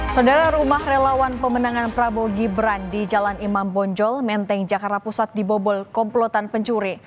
saudara rumah relawan pemenangan prabowo gibran di jalan imam bonjol menteng jakarta pusat dibobol komplotan pencuri